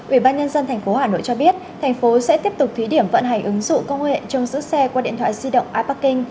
ủy ban nhân dân tp hà nội cho biết thành phố sẽ tiếp tục thí điểm vận hành ứng dụng công nghệ trong giữ xe qua điện thoại di động iparking